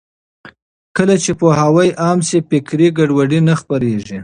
کله چې پوهاوی عام شي، فکري ګډوډي نه خپرېږي.